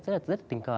rất là tình cờ